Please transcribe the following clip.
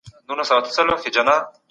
که ته بد عمل وکړې، پښېمانه کېږې.